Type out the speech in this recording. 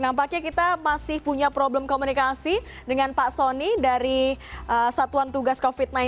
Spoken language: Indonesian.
nampaknya kita masih punya problem komunikasi dengan pak soni dari satuan tugas covid sembilan belas